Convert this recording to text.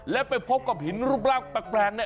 และไปพบกับหินรูปรากแปลก